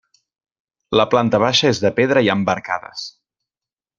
La planta baixa és de pedra i amb arcades.